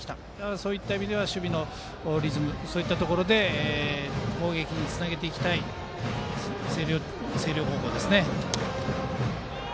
そういった意味では守備のリズムそういったところで攻撃につなげていきたい星稜高校ですね。